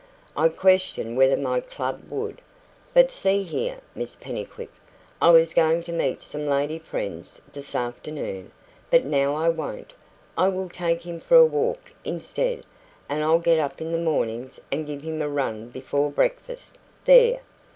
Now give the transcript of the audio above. "I question whether my club would. But see here, Miss Pennycuick, I WAS going to meet some lady friends this afternoon, but now I won't; I will take him for a walk instead. And I'll get up in the mornings, and give him a run before breakfast. There!"